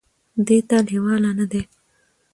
دې ته لېواله نه دي ،